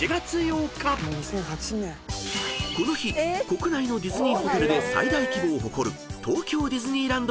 ［この日国内のディズニーホテルで最大規模を誇る］